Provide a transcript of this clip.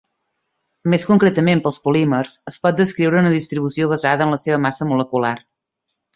Més concretament, pels polímers, es pot descriure una distribució basada en la seva massa molecular.